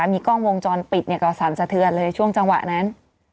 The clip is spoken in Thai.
มีกล้องวงจรปิดก็สั่นสะเทือนเลยช่วงจังหวะนั้น